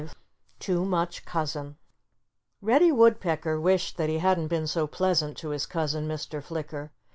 *V* *TOO MUCH COUSIN* Reddy Woodpecker wished that he hadn't been so pleasant to his cousin Mr. Flicker.